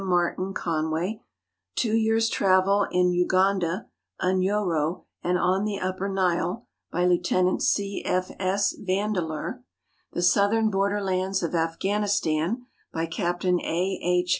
Martin Con M'ay; " Two Years' Travel in Uganda, Unyoro, and on the Upper Nile," by Lieutenant C. F. S. Vandeleur; "The Southern Borderlands of Af ghanistan," by Captain A. H.